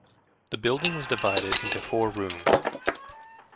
The building was divided into four rooms.